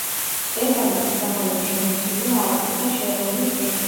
მწვერვალის მიდამოები შემოსილია ალპური და შერეული ტყით.